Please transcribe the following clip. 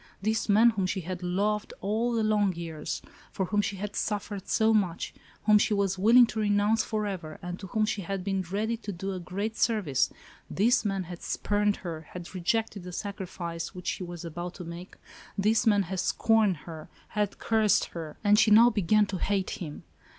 This man, whom she had loved all the long years, for whom she had suffered so much, whom she was willing to renounce forever, and to whom she had been ready to do a great service, this man had spurned her, had rejected the sacrifice, which she was about to make, — this man had scorned her, had cursed her; and she ALICE ; OR, THE WAGES OF SIN. 83 now began to hate him.